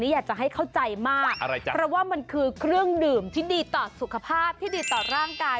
อยากจะให้เข้าใจมากเพราะว่ามันคือเครื่องดื่มที่ดีต่อสุขภาพที่ดีต่อร่างกาย